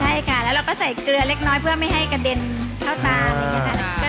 ใช่ค่ะแล้วเราก็ใส่เกลือเล็กน้อยเพื่อไม่ให้กระเด็นข้าวตา